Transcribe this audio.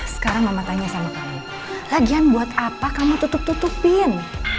sekarang mama tanya sama kamu lagian buat apa kamu tutup tutupin